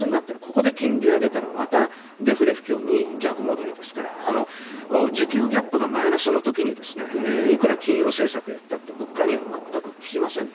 ここで金利を上げたらまた逆戻りですから需給ギャップがマイナスの時にいくら金融政策やったって物価には全く効きません。